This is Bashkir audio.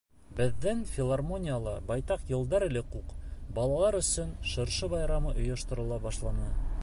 Беҙҙең филармонияла байтаҡ йылдар элек үк балалар өсөн шыршы байрамы ойошторола башланы.